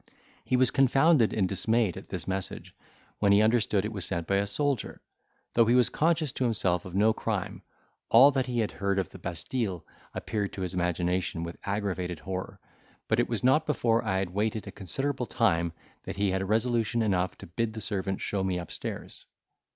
He was confounded and dismayed at this message, when he understood it was sent by a soldier; though he was conscious to himself of no crime, all that he had heard of the Bastille appeared to his imagination with aggravated horror, but it was not before I had waited a considerable time that he had resolution enough to bid the servant show me up stairs.